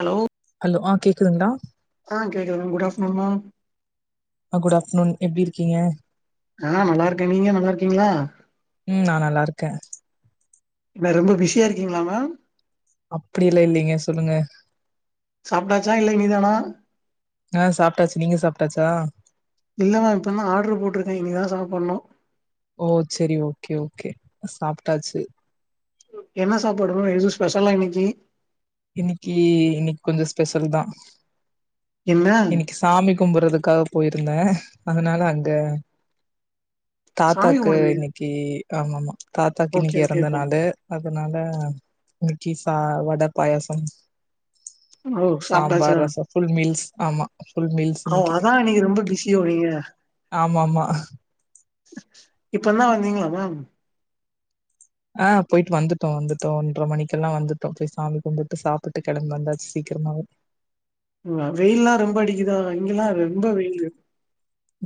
Hello hello ஆ கேக்குதுங்களா ஆ கேக்குது மேம் குட் ஆப்டர்நூன் மேம் ஆ குட் ஆஃப்டர்நூன் எப்டி இருக்கீங்க ஆ நல்லார்க்கே நீங்க நல்லா இருக்கீங்களா ம் நா நல்லா இருக்கே என்ன ரொம்ப பிஸியா இருக்கீங்ளாமா அப்டில்லா இல்லைங்க சொல்லுங்க சாப்ட்டாச்சா இல்ல இனிதானா ஆ சாப்ட்டாச்சு நீங்க சாப்ட்டாச்சா இல்லமா இப்போ தா ஆர்டர் போட்ருக்கே இனி தா சாப்புட்ணு ஓ செரி ஓகே ஓகே சாப்ட்டாச்சு என்ன சாப்பாடுமா எதுவு ஸ்பெஷலா இன்னைக்கு இன்னிக்கி இன்னிக்கி கொஞ்சோ ஸ்பெஷல் தா என்ன இன்னிக்கி சாமி கும்புட்றதுக்காக போயிருந்தே அதனால அங்க சாமி தாத்தாக்கு கும்பிடுவே இன்னிக்கி ஆமா ஆமா தாத்தாக்கு ஓகே இன்னிக்கி ஓகே எறந்த ஓகே நாளு அதனால இன்னிக்கி சா வட பாயசம் ஓ சாப்ட்டாச்சா சாம்பார் ரச ஃபுல் மீல்ஸ் ஆமா ஃபுல் மீல்ஸ் ஓ இன்னைக்கு அதா நீங்க ரொம்ப பிஸியோ நீங்க ஆமா ஆமா இப்பனா வந்தீங்களா மேம் ஆ போயிட்டு வந்துட்டோ வந்துட்டோ ஒன்ற மணிக்கெல்லா வந்துட்டோ போய் சாமி கும்பிட்டு சாப்பிட்டு கிளம்ப வந்தாச்சு சீக்கிரமாவே வெயில் எல்லா ரொம்ப அடிக்குதா இங்க எல்லா ரொம்ப வெயிலு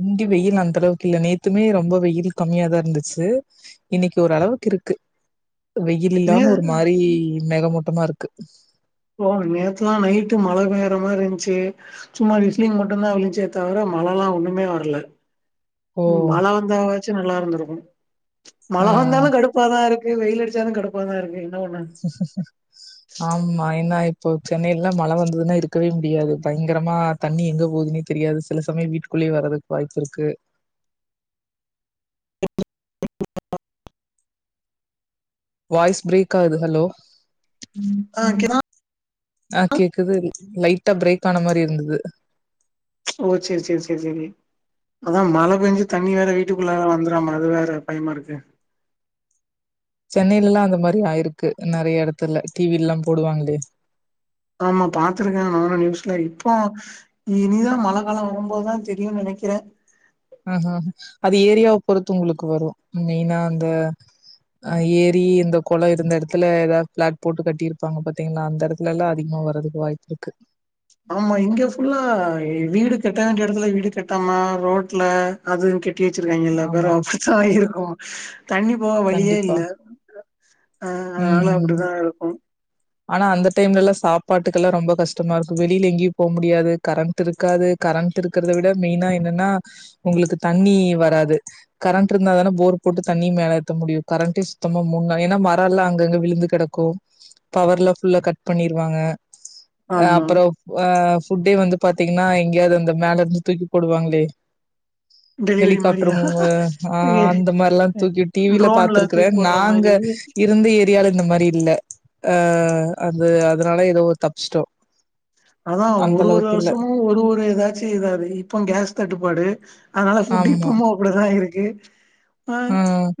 இங்க வெயில் அந்தளவுக்கு இல்ல நேத்துமே ரொம்ப வெயில் கம்மியாதா இருந்துச்சு இன்னைக்கு ஒரளவுக்கு இருக்கு வெயில் நே இல்லாம ஒரு மாரி மேகமூட்டமா இருக்கு ஓ நேத்துல்லா நைட்டு மழ பெய்ற மாரி இருந்துச்சு சும்மா விஸ்லிங் மட்டுந்தா விழுந்ச்சே தவர மழலா ஒன்னுமே வர்ல ஓ! ம் மழ வந்தாவாச்சு நல்லா இருந்திருக்கு மழ ஆ. வந்தாலு கடுப் பாதா இருக்கு வெயில் அடிச்சாலு கடுப்பாதா இருக்கு என்ன பண்ண ச ச ச ஆம்மா ஏனா இப்போ சென்னைலலா மழ வந்ததுனா இருக்கவே முடியாது பயங்கரமா தண்ணி எங்க போதுனே தெரியாது சில சமய வீட்டுக்குள்ளயே வரதுக்கு வாய்ப்பு இருக்கு வாய்ஸ் ப்ரேக் ஆகுது ஹலோ ஆ ஒகேதா ஆ கேக்குது லைட்டா பிரேக் ஆன மாரி இருந்தது ஓ சேரி சேரி சேரி சேரி அதா மழ பெஞ்சி தண்ணி வேற வீட்டுக்குள்ளார வந்துடாம அது வேற பயமா இருக்கு சென்னையிலல்லா அந்த மாரி ஆயிருக்கு நறைய எடத்துல டி வி லல்லா போடுவாங்களே ஆமா பாத்துருக்கே நானு நியூஸ்ல இப்போ இனிதா மழ காலோ வரும்போதுதா தெரியும்னு நெனைக்கிறே ஆ ஹா அது ஏரியாவ பொறுத்து உங்களுக்கு வரு மெயினா அந்த அ ஏரி இந்த குளோ இருந்த எடத்துல ஏதா பிளாட் போட்டு கட்டியிருப்பாங்க பாத்தீங்ளா அந்த எடத் இல்லல்ல அதிகமா வரதுக்கு வாய்ப்பு இருக்கு ஆமா இங்க ஃபுல்லா வீடு கட்ட வேண்டிய எடத்துல வீடு கட்டாம ரோட்ல அது கட் ட்டி வெச்சிருக்காங்கல்ல ஆமா அப்பறோ அப்டிதா இருக்கு தண்ணி இப்போ வழியே கண்டிப்பா இல்ல ஆ அதனால ம் அப்டித்தா இருக்கும் ஆனா அந்த டைம்லல்லா சாப்பாட்டுக்கு எல்லா ரொம்ப கஷ்டமா இருக்கு வெளியில எங்கேயு போக முடியாது கரண்ட் இருக்காது கரண்ட் இருக்கிறதா விட மெயினா என்னன்னா உங்களுக்கு தண்ணி வராது கரண்ட் இருந்தா தானே போர் போட்டு தண்ணி மேலே ஏத்த முடியு கரண்ட்டே சுத்தமா மூண்னா ஏன்னா மரம்லா அங்கங்க விழுந்து கெடக்கு பவர்லா ஃபுல்லா கட் பண்ணிருவாங்க ஆமா அப்பறோ ஆ ஃபுட்டே வந்து பாத்தீங்னா எங்கயாது அந்த மேல இருந்து தூக்கி போடுவாங்ளே டெலிவரி ஹெலிகாப்டர் மாரியா மூ ஆ அந்த மாரில்லா தூக்கி டி வி ல ட்ரோன்ல பாத்துருக்குறே தூக்கி போடுற நாங்க மாரி இருந்த ஏரியால இந்த மாரி இல்ல அ அது அதுனால ஏதோ தப்சிட்டோ அதா ஒரு ஒரு வருஷமு ஒரு ஒரு ஏதாச்சி இதா இருக்கு இப்போ கேஸ் தட்டுப்பாடு அதனால ஃபுட் ஆமா இப்பமும் அப்டிதா இருக்கு ஆ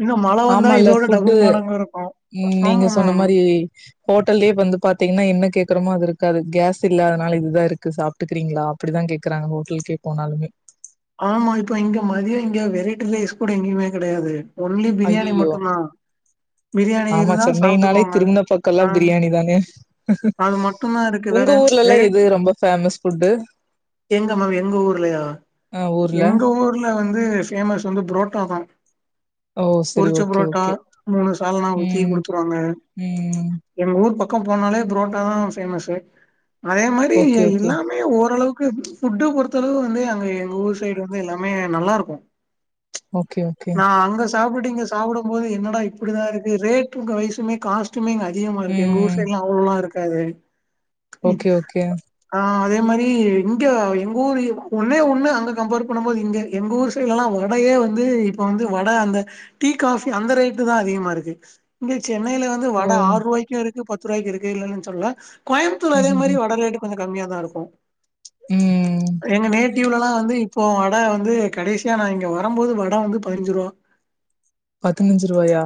இன்னும் மழ வந்தா ஆமால்ல இதோட ஃபுட்டு டபுள் மடங்கா இருக்கு நீங்க ஆமா சொன்ன மேம் மாரி ஹோட்டல்லயே இப்ப வந்து பாத்தீங்னா என்ன கேக்குறமோ அது இருக்காது கேஸ் இல்லாதனால இதுதா இருக்கு சாப் ட்டுக்ரிங்ளா அப்டிதா கேக்குறாங்க ஹோட்டல்க்கே போனாலுமே ஆமா இப்போ இங்க மதியோ இங்க வெரைட்டி ரைஸ் கூட எங்கேயுமே கெடையாது ஒன்லி பிரியாணி ஐயயோ மட்டுந்தா பிரியாணி ஆமா இருந்தா சென்னைனாலே சாப்ட்டுக்குவாங்க திரும்புன பக்கல்லா ஆ பிரியாணி தானே அது மட்டுந்தா இருக்கு வேற உங்க ஊர்லல்லா எது வெரைட்டி ரொம்ப ஃபேமஸ் ஃபுட்டு எங்க மேம் எங்க ஊர்லையா அ ஊர்ல எங்க ஊர்ல வந்து ஃபேமஸ் வந்து புரோட்டாதா ஓ சரி பொரிச்ச ஓகே புரோட்டா ஓகே மூணு சால்னா ஊத்தி ம் குடுத்துருவாங்க ம் எங்க ஊர் பக்கோ போனாலே புரோட்டாதா ஃபேமஸ் அதே மாரி ஓகே ஓகே இல்லாம ஏ ஓரளவுக்கு ஃபுட்டு பொறுத்தளவு வந்து அங்க எங்க ஊர் சைடு வந்து எல்லாமே நல்லாருக்கு ஓகே ஓகே நா அங்க சாப்புட்டு இங்க சாப்புடும் போது என்னடா இப்டிதா இருக்கு ரேட் உங்க வய்சுமே காஸ் ட்டுமே இங்க அதிகமாருக்கு எங்க ஊர் ம் சைடுல்லா அவ்ளோலா இருக்காது ம் ஓகே ஓகே ஆ அதே மாரி இங்க எங்க ஊரு ஒன்னே ஒன்னு அங்க கம்பேர் பண்ணும் போது இங்க எங்க ஊர் சைடுலலா வடையே வந்து இப்ப வந்து வட அந்த டீ காஃபி அந்த ரேட்டு தா அதிகமா இருக்கு இங்கே சென்னைல வந்து ஓ வட ஆரூவாய்க்கு இருக்கு பத்து ரூவாய்க்கு இருக்கு இல்லன் நா சொல்ல கோயம்புத்தூர்ல அதே மாதிரி ம்ஹ்ஹும் வட ரேட்டு கொஞ்சம் கம்மியாக தான் இருக்கும் ம் எங்க நேட்டிவ்லல்லாம் வந்து இப்போ வட வந்து கடைசியா நா இங்க வரும்போது வட வந்து பதினஞ்சு ரூபா பதினஞ்சு ருவாயா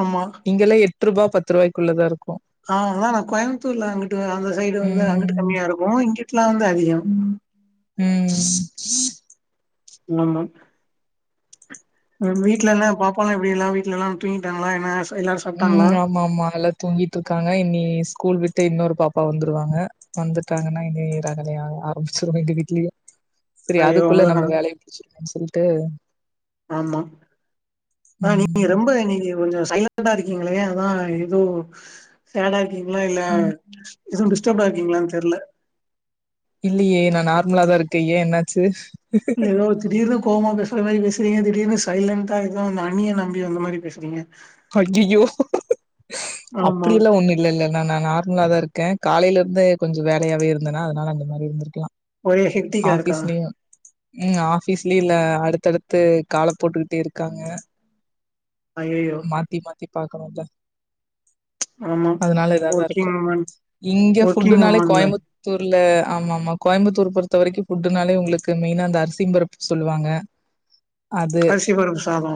ஆமா இங்கலா எட் ருபா பத்து ருவாய்க்குள்ளதா இருக்கு ஆ அதான் நா கோயம்புத்தூர்ல அங்கட்டு அந்த சைடு வந்து அங்கட்டு ம் கம்மியா இருக்கும் இங்குட்டுலாம் வந்து அதிகம் உம் ஆமா நம் வீட்ல என்ன பாப்பாலா எப்டியெல்லா வீட்ல எல்லா தூங்கிட்டாங்களா என்னா எல்லார்சு உம் ஆமா ஆமா நல்லா தூங்கிட்ருக்காங்க இன்னி ஸ்கூல் விட்டு இன்னொரு பாப்பா வந்துருவாங்க வந்துட்டாங்கனா இங்கேயே ரகலைய ஆரம்பிச்சிருவா எங்க வீட்லயே பிரி ஐயோ அதுக்குள்ள அவ்ளோதா நம்ம வேலைய முடிச்சிருவோன் சொல்லிட்டு ஆமா ஆனா நீங்க ம் ரொம்ப நீ கொஞ்சோ சைலண்டா இருக்கிங்ளே அதா ஏதோ சேடா இருக்கீங்ளா இல்ல எதுவு டிஸ்டர்ப்டா இருக்கிங்ளான் தெரில இல்லையே நா நார்மலாதா இருக்க ஏ என்னாச்சு நெலோ திடீர்னு கோவமா பேசுற மாரி பேசுறீங்க திடீர்னு சைலண்டாது அந்த அன்னியன் அம்பி வந்த மாரி பேசுறீங்க அய்யயோ ஆமா அப்டியெல்லா ஒண்ணு இல்ல இல்ல நா நா நார்மலா தா இருக்கே காலையில இருந்தே கொஞ்சொ வேலையாவே இருந்தெனா அதனால அந்த மாரி இருந்துருக்லா ஒரே ஹெக்டிக்கா இருக்கா ஆஃபீஸ்லையு ம் ஆஃபீஸ்லீல அடுத்தடுத்து கால போட்டுக்கிட்டே இருக்காங்க அய்யயோ தி மாத்தி பாக்குறோல்ல ஆமா அதுனால இதாதா இருக்கு ஒர்க்கிங் உமன் இங்க ஒர்க்கிங் ஃபுட்டுனாலே உமன்ல கோயம்புத் த்தூர்ல ஆமா ஆமா கோயம்புத்தூர் பொறுத்த வரைக்கு ஃபுட்டுனாலே உங்களுக்கு மெயினா அந்த அரிசிம் பருப்பு சொல்லுவாங்க அது அரிசி பருப்பு சாதோ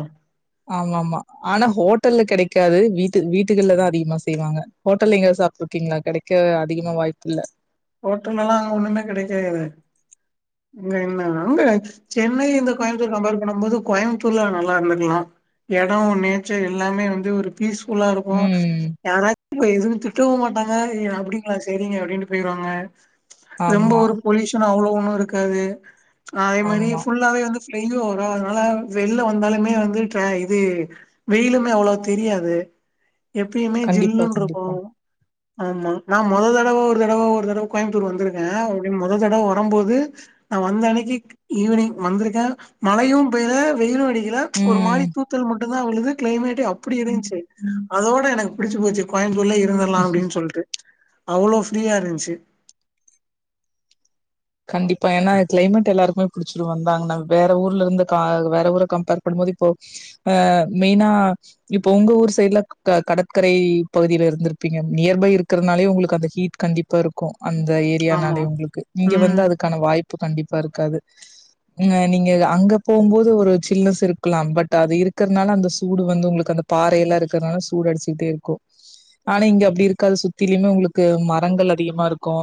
ஆமா ஆமா ஆனா ஹோட்டல்ல கெடைக்காது வீட்டு வீட்டுகள்ல தா அதிகமா செய்வாங்க ஹோட்டல்ல எங்க சாப்ட்டு இருக்கீங்களா கடை கெடைக்க அதிகமா வாய்ப்பு இல்ல ஹோட்டல்லா அங்க ஒண்ணுமே கெடைக்கது இங்க என்ன அங்க சென்னை இந்த கோயம்பத்தூர் கம்பேர் பண்ணும் போது கோயம்புத்தூர்ல நல்லா இருந்துக்கலா எடம் நேச்சர் எல்லாமே வந்து ஒரு பீஸ்ஃபுல்லா இருக்கு ம். யாராச் இ எதுவு திட்டவு மாட்டாங்க அப்டிங்களா சரிங்க அப்டின்னு போய்டுவாங்க ரொம்ப ஆமா, ஒரு பொல்யூஷன் அவ்வளோ ஒண்ணு இருக்காது அதே மாரி ஆமா. ஃபுல்லாவே வந்து [unintelligible] வரும் அதனால வெளில வந்தாலுமே வந்து இது வெயிலுமே அவ்ளவு தெரியாது எப்பயுமே கண்டிப்பா, ஜில்லுன்னு இருக்கு கண்டிப்பா. ஆமா நான் மொத தடவை ஒரு தடவ ஒரு தடவ கோயம்பத்தூர் வந்திருக்கேன் அப்படின் மொதல்தடவை வரும்போது நா வந்த அன்னைக்கு ஈவினிங் வந்திருக்கேன் மழையும் பெய்ல வெயிலும் அடி ஒரு ம். மாறி தூத்தல் முட்ட இப்டிதா விழுது கிளைமேட் அப்டி இருந்துச்சு அதோட எனக்கு பிடிச்சு போச்சு கோயம்பூத்ர்ல இரு இருந்துரலாம் அப்டின்னு சொல்லிட்டு அவ்வளோ ஃப்ரீயா இருந்துச்சு கண்டிப்பா ஏன்னா கிளைமேட் எல்லாருக்குமே குடிச்சிட்டு வந்தாங்கன்னா வேற ஊர்ல இருந்து க வேற ஊர கம்பேர் பண்ணும் போது இப்போ அ மெய்னா இப்ப உங்க ஊர் சைட்ல கடற்கரை பகுதியில இருந்துருப்பீங்க நியர்பை இருக்கிறதுனாலே உங்களுக்கு அந்த ஹீட் கண்டிப்பா தொருக்கு அந்த ஆமா ஏரியனாலே உங்களுக்கு இங்க வந்து ம் அதுக்கான வாய்ப்பு கண்டிப்பா இருக்காது உங்க நீங்க அங்க போகும்போது ஒரு சில்னஸ் இருக்கலாம் பட் அது இருக்கற்னால அந்த சூடு வந்து உங்களுக்கு அந்த பாறையெல்லா இருக்குறனால சூடு அடிச்சிட்டே இருக்கு ஆனா இங்க அப்டி இருக்காது சுத்திலுமே உங்களுக்கு மரங்கள் அதிகமா இருக்கு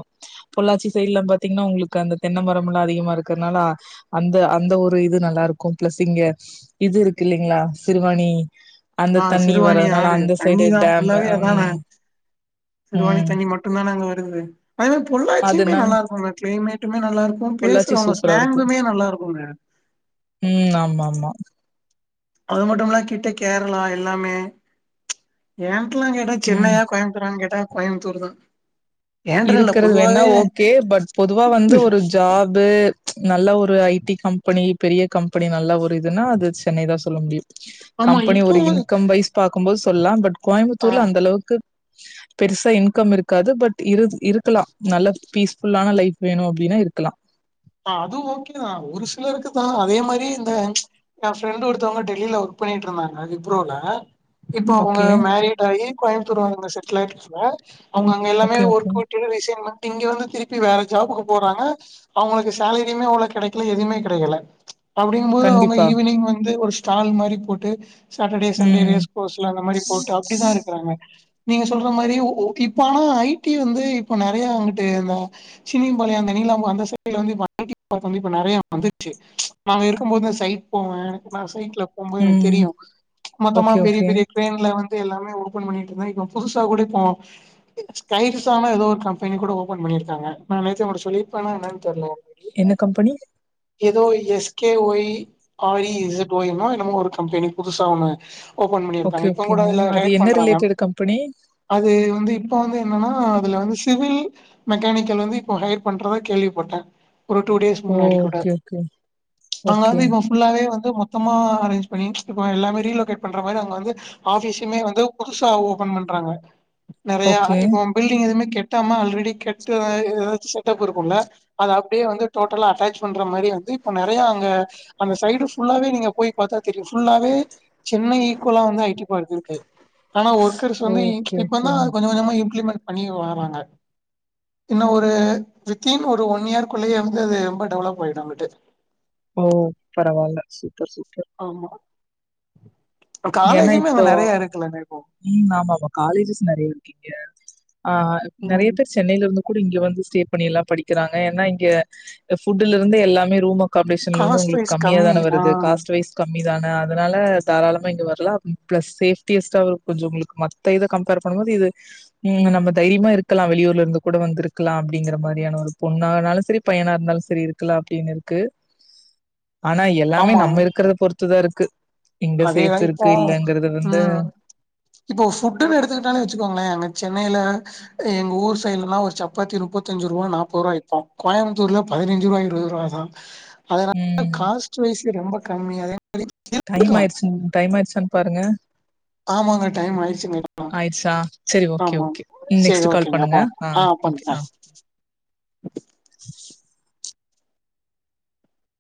பொள்ளாச்சி சைட்ல பட் பாத்தீங்னா உங்களுக்கு அந்த தென்ன மரம்ல்லா அதிகமா இருக்குறனால அந்த அந்த ஒரு இது நல்லா இருக்கு ப்ளஸ் இங்க இது இருக்கு இல்லைங்களா சிறுவானி அந்த ஆ தண்ணி சிறுவாணி வர்றனால ஆறு அந்த சைடு தண்ணிதா டேம்மு அ ம் ம் சிறுவானி தண்ணி மட்டுந்தான அங்க வருது அங்கெல்லா பொள்ளாச்சியுமே அதனால நல்லா இருக்குங்க க்ளேமேட் டுமே நல்லா இருக்கு பொள்ளாச்சி பேசுறவுங்க சூப்பரா இருக்கு ஸ்லாங்குமே நல்லா இருக்குங்க ம் ஆமா ஆமா அது மட்டுமில்லா கிட்ட கேரளா எல்லாமே ஏன்ட்லா கேட்டா ம் சென்னையா கோயம்புத்தூரான்னு கேட்டா கோயம்புத்தூரு தா ஏன்ட்டன்னு இல்ல இருக்குறது வேணா பொதுவாவே ஓகே பட் பொதுவா வந்து ஒரு ஜாஃபு நல்ல ஒரு ஐடி கம்பெனி பெரிய கம்பெனி நல்ல ஒரு இதுன்னா அது சென்னைதா சொல்ல முடியு ஆமா கம்பனி இப்போ ஒரு இன்கம் வைஸ் பாக்கும்போது சொல்லா பட் ஆ கோயம்புத்தூர்ல அந்த அளவுக்கு பெருசா இன்கம் இருக்காது பட் இருத் இருக்கலா நல்ல பீஸ்ஃபுல்லான லைஃப் வேணு அப்டின்னா இருக்கலா ஆ அது ஓகே தாஒரு சிலருக்குதா அதே மாரி இந்த எஏ ஃப்ரெண்ட்டு ஒருத்தவுங்க டெல்லில ஒர்க் பண்ணிட்ருந்தாங்க விப்ரோல இப்போ அவுங்க ஓகே மேரிட் ஆயி கோயம்புத்தூர்ல அவுங்க செட்டில் ஆயிடுச்சுங்க அவங்க அங்க எல்லாமே ஓகே ஓகே ஒர்க் விட்டு ரிசைன் பண்ட்டு இங்க வந்து திருப்பி வேற ஜாபுக்கு போறாங்க அவுங்களுக்கு சேலரியுமே அவ்ளோ கெடைக்கல எதுவுமே கிடைக்கல்ல அப்புடிங்கம் போது அவுங்க கண்டிப்பா ஈவினிங் வந்து ஒரு ஷா சால் மாதிரி போட்டு சாட்டர்டே சண்டே ம். ரேஸ் கோர்ஸ்ல அந்த மாரி போட்டு அப்டிதா இருக்குறாங்க நீங்க சொல்ற மாரி ஓகே இப்ப ஆனா ஐ டி வந்து இப்ப நறைய அங்குட்டு தா சின்னிபாளையம் அந்த நீலா பா அந்த சை [inaudible] வந்து இப்ப நறைய வந்துச்சு நா இருக்கும் போது சைட் போவ நான் சைட்ல போம்போது எனக்கு ம். தெரியு மொத்தமா ஓகே, பெரிய ஓகே. பெரிய ட்ரெயின்ல வந்து எல்லாமே ஓபன் பண்ணிட்டு இருந்தாங்க இப்போ புதுசா கூட இப்போ கையிறு சான எதோ ஒரு கம்பெனி கூட ஓபன் பண்ணி இருக்காங்க நா நேத்தே உங்க கிட்ட சொல்லிருப்பேன்னா என்னன்னு தெர்ல என்ன கம்பனி எதோ எஸ் கே ஒய் ஆ ரி இஜெட் ஒய் என்னமோ ஒரு கம்பெனி புதுசா ஒன்னு ஓப்பன் ஓகே, பண்ணிருக்காங்க இப்பங் கூட ஓகேங்க. இதுல அது ஹையர் என்ன பண்றாங்க ரிலேட்டட் கம்பெனி? அது வந்து இப்ப வந்து என்னன்னா அதுல வந்து சிவில் மெக்கானிக்கல் வந்து இப்ப ஹையர் பண்றதா கேள்விப் போட்டே ஒரு டூ டேஸ்க்கு ஓ! முன்னாடி கூட ஓகே, ஓகே. அங்க ஓகே, வந்து இப்போ ஃபுல்லாவே வந்து மொத்தமா அரேஞ் பண்ணி இப்போ எல்லாமே ரீலொக்கேட் பண்ற மாரி அங்க வந்து ஆஃபிஸுமே வந்து புதுசா ஓபன் பண்றாங்க நெறையா ஓகே. இப்போ பில்டிங் எதுவுமே கெட்டாம ஆல்ரெடி கெட்டு வ செட்டப் இருக்குல்ல அத அப்டியே வந்து டோட்டலா அட்டாச் பண்ற மாரி வந்து இப்ப நறைய அங்க அந்த சைடு ஃபுல்லாவே நீங்க போய் பாத்தா தெரியு ஃபுல்லாவே சென்னை ஈக்குவலா வந்து ஐடி பார்க் இருக்கு ஆனா ஒர்க் கடச்சோனே ஓகே, ஓகே. இப்பல்லா கொஞ்ச கொஞ்சமா இம்ப்ளிமெண்ட் பண்ணியு வாறாங்க இன்னு ஒரு வித்தின் ஒரு ஒன் ஒன் இயர் குள்ளயே வந்து அது ரொம்ப டெவலப் ஆயிடு அங்காட்டு ஓ பரவால்ல சூப்பர் சூப்பர் ஆமா ஏன்னா காலேஜுமே அங்க இப்போ நெறைய இருக்குல்லண்ணே இப்போ ம் ம் ஆமாம்மா காலேஜஸ் நெறைய இருக்கு இங்க ஆ ஆ நெறைய ம் பேர்ருச் சென்னையில இருந்து கூட இங்க வந்து ஸ்டே பண்ணி எல்லா படிக்கிறாங்க ஏன்னா இங்க ஃபுட்ல இருந்து எல்லாமே ரூமு காம்பேஷன் இருந்து காஸ்ட் உங்களுக்கு வைஸ் கம்மியா கம்மி தான ஆ வருது காஸ்ட் வைஸ் கம்மி தான அதனால தாராள இங்க வரலா ப்ளஸ் சேப்டியஸ்டா கொஞ்சோ உங்களுக்கு மத்த இத கம்பேர் பண்ணும்போது இது ம் நம்ம தைரியமா இருக்கலா வெளியூர்ல இருந்து கூட வந்துருக்கலா அப்டிங்கிற மாரியான ஒரு பொண்ணானாலு சரி பையனா இருந்தாலு சரி இருக்கலா அப்டின்னு இருக்கு [inaudible] ஆனா எல்லாமே நம்ம இருக்கிறத பொறுத்துதா இருக்கு எங்க அதே தா சேஃப் இப்போ இருக்கு இல்லங்கறது வந்து ம் இப்போ ஃபுட்டுன்னு எடுத்துக்கிட்டாலே வச்சுக்கோங்களே அங்க சென்னையில எங்க ஊர் சைடுலனா ஒரு சப்பாத்தி முப்பத்தஞ்சு ரூவா நாப்பரூவா இப்போ கோயம்புத்தூர்ல பதின்சுரூபா இருபது ரூபா தா அதனால ம் காஸ்ட் வைஸ் ரொம்ப கம்மி அத [unintelligible] டைம் ஆயிடுச்சு டைம் ஆயிடுச்சான்னு பாருங்க ஆமாங்க டைம் ஆயிடுச்சுங்கலா ஆயிட்ச்சா செரி ஓகே ஓகே ம் நெக்ஸ்டு கால் ஓகேங்க பண்ணுங்க அப்போ அ ஆ ஓகே பண்ணுங்க ஆ [unintelligible]